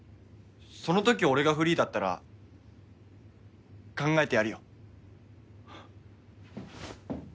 そのとき俺がフリーだったら考えてやるよ。